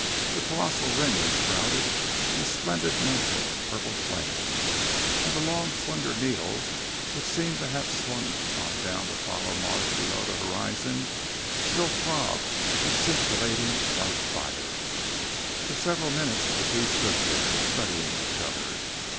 The colossal ring was shrouded in a splendid mantle of purple flame; and the long, slender needle, which seemed to have swung on down to follow Mars below the horizon, still throbbed with scintillating white fire. For several minutes the two stood there, studying each other.